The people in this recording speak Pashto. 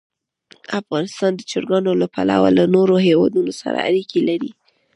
افغانستان د چرګانو له پلوه له نورو هېوادونو سره اړیکې لري.